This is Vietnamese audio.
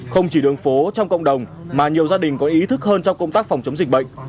không chỉ đường phố trong cộng đồng mà nhiều gia đình có ý thức hơn trong công tác phòng chống dịch bệnh